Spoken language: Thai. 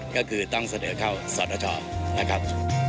ก็คือต้องเสนอเข้าสรณชนะครับ